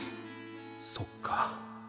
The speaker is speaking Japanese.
そっか。